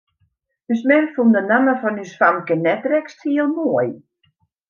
Us mem fûn de namme fan ús famke net drekst hiel moai.